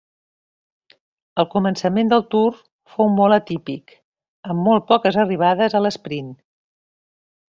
El començament del Tour fou molt atípic, amb molt poques arribades a l'esprint.